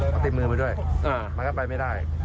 เขาติดมือมาด้วยมันก็ไปไม่ได้